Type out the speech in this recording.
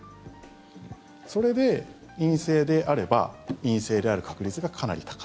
それで陰性であれば陰性である確率がかなり高い。